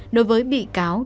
đối với bị cáo